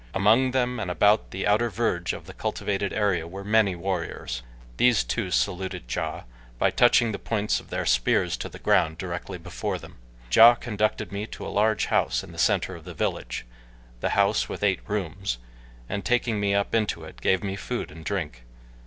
Among them and about the outer verge of the cultivated area were many warriors. These too saluted Ja, by touching the points of their spears to the ground directly before them. Ja conducted me to a large house in the center of the village the house with eight rooms and taking me up into it gave me food and drink.